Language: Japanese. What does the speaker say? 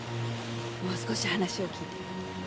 もう少し話を聞いて。